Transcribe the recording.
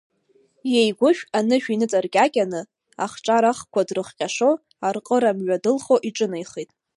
Иеигәышә анышә иныҵаркьакьаны, ахҿарахқәа дрыхҟьашо, арҟыра-мҩа дылхо, иҿынеихеит.